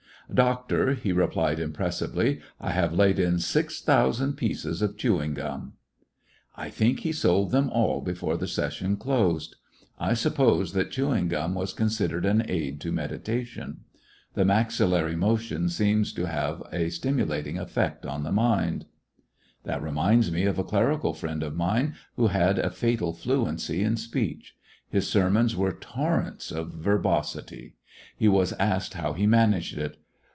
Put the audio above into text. "Doctor," he replied impressively, "I have laid in six thousand pieces of chewing gum !" 144 g lyiissionarY in tge Great West I think he sold them all before the session closed. I suppose that chewing gum was con sidered an aid to meditation. The maxillary motion seems to have a stimulating effect on the mind. That reminds me of a clerical friend of mine Unconscious who had a fatal fluency in speech. His ser mons were torrents of verbosity. He was asked how he managed it.